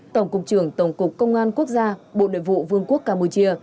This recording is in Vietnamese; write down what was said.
tổng cục trưởng tổng cục công an quốc gia bộ nội vụ vương quốc campuchia